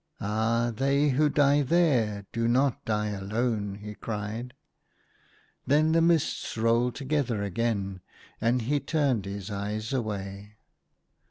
" Ah ! they who die there do not die alone," he cried. Then the mists rolled together again ; and he turned his eyes away.